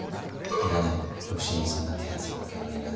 いらない独身にそんな手厚い保険はいらない。